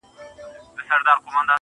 له څه مودې راهيسي داسـي يـمـه,